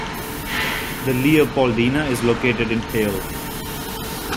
The Leopoldina is located in Halle.